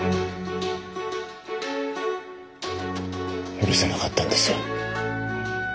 許せなかったんですよ